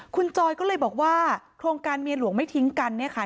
คุณจอยก็เลยบอกว่าโครงการเมียหลวงไม่ทิ้งกันเนี่ยค่ะ